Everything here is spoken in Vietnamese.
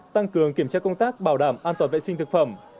tăng cường kiểm tra công tác bảo đảm an toàn vệ sinh thực phẩm